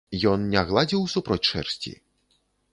Ён не гладзіў супроць шэрсці?